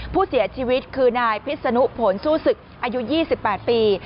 ผู้เสียชีวิตคือนายพิษนุผลสู้ศึกอายุ๒๘ปี